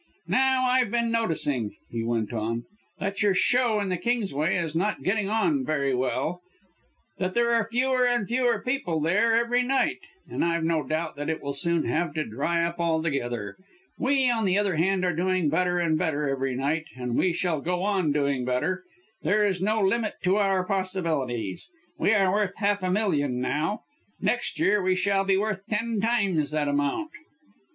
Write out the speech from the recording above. "Now I've been noticing," he went on, "that your Show in the Kingsway is not getting on very well that there are fewer and fewer people there every night, and I've no doubt it will soon have to dry up altogether. We, on the other hand, are doing better and better every night, and we shall go on doing better there is no limit to our possibilities. We are worth half a million now next year, we shall be worth ten times that amount!"